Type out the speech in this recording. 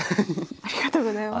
ありがとうございます。